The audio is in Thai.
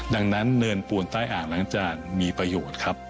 ดังนั้นเนินปูนใต้อ่างล้างจานมีประโยชน์ครับ